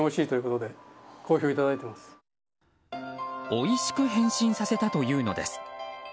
おいしく変身させたというのです。